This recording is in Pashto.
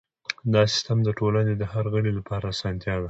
دا سیستم د ټولنې د هر غړي لپاره اسانتیا ده.